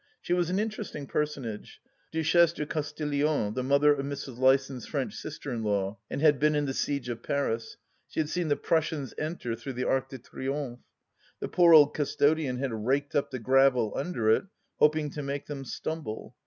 She was an interesting personage — ^Duchesse de Castiglione, the mother of Mrs. Lysons' French sister in law — and had been in the Siege of Paris. She had seen the Prussians enter through the Arc de Triomphe. The poor old custodian had raked up the gravel under it, hoping to make them stumble.